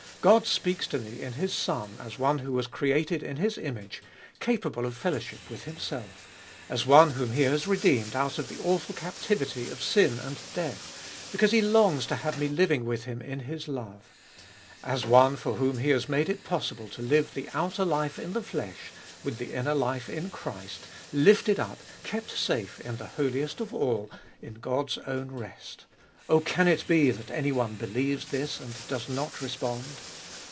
God speaks to me in His Son as one who was created in His image, capable of fellow ship with Himself; as one whom He has redeemed out of the awful captivity of sin and death, because He longs to have me living with Him in His love. As one for whom He has made it possible to live the outer life in the flesh, with the inner life in Christ, lifted up, kept safe in the Holiest of All, in God's own rest, — oh, can it be that anyone believes this and does not respond